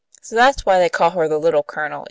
So that's why they call her the 'Little Colonel,' is it?"